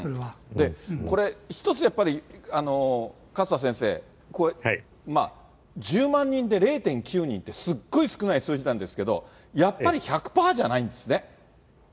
これ、一つやっぱり、勝田先生、これ、１０万人で０．９人ってすっごい少ない数字なんですけど、やっぱり１００パーじゃないんですね。